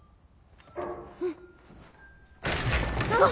うん！あっ！